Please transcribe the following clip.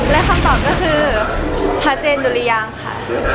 และคำตอบก็คือพระเจนดุริยางค่ะ